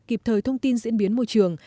kịp thời thông tin diễn biến môi trường